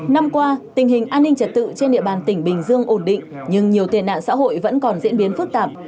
năm qua tình hình an ninh trật tự trên địa bàn tỉnh bình dương ổn định nhưng nhiều tiền nạn xã hội vẫn còn diễn biến phức tạp